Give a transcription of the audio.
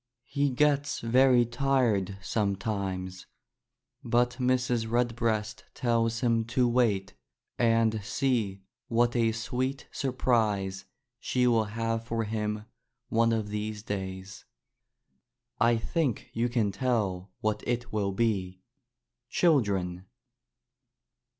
He gets very tired sometimes, but Mrs. Redbreast tells him to wait and see what a sweet sur prise she will have for him one of these days. I think you can tell what it will be, children.